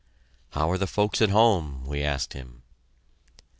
"How are the folks at home?" we asked him.